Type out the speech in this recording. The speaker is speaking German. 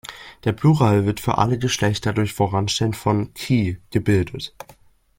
Der Plural wird für alle Geschlechter durch Voranstellen von "ki" gebildet.